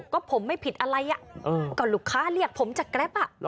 ก็ผมไม่ผิดอะไรก็ลูกค้าเรียกผมจากแกรป